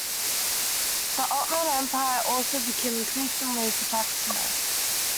The Ottoman Empire also became increasingly protectionist.